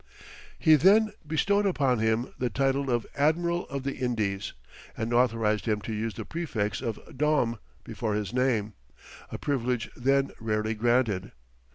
He then bestowed upon him the title of Admiral of the Indies, and authorized him to use the prefix of Dom before his name, a privilege then rarely granted.